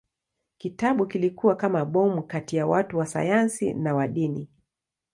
Kitabu kilikuwa kama bomu kati ya watu wa sayansi na wa dini.